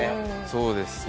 そうですね。